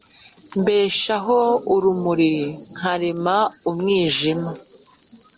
mbeshaho urumuri, nkarema umwijima,